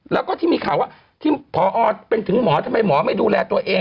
แล้วก็ที่มีข่าวว่าที่พอเป็นถึงหมอทำไมหมอไม่ดูแลตัวเอง